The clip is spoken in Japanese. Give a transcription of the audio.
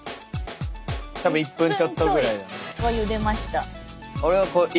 多分１分ちょっとぐらいだね。はゆでました。